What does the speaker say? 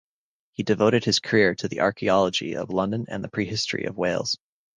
He devoted his career to the archaeology of London and the prehistory of Wales.